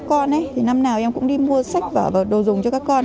các con ấy thì năm nào em cũng đi mua sách và đồ dùng cho các con